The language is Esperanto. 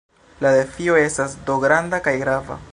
La defio estas do granda kaj grava.